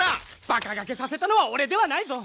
バカ駆けさせたのは俺ではないぞ。